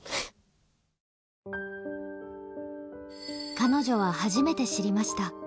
彼女は初めて知りました。